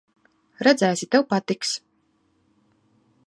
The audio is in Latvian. Redzēsi, tev patiks.